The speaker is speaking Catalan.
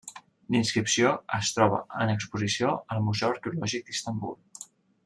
La inscripció es troba en exposició al Museu Arqueològic d'Istanbul.